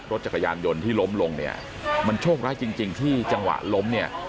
รถจักรยานยนต์ที่ล้มลงเนี่ยมันโชคร้ายจริงจริงที่จังหวะล้มเนี่ย